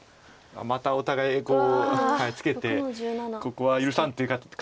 またお互いこうツケてここは許さんという感じです。